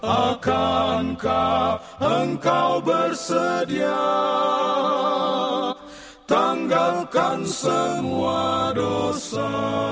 akankah engkau bersedia tanggalkan semua dosa